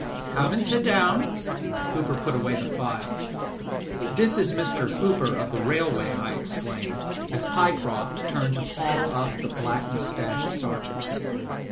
"Come and sit down," Hooper put away the file. "This is Mr. Hooper of the Railway," I exclaimed, as Pyecroft turned to haul up the black moustached sergeant.